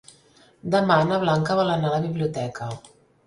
Demà na Blanca vol anar a la biblioteca.